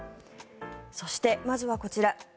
そして、まずはこちら。